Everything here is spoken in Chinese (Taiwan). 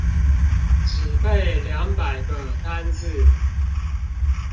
只背兩百個單字